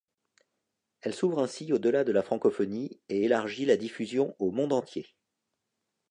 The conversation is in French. Elle s'ouvre ainsi au-delà de la francophonie et élargit la diffusion au monde entier.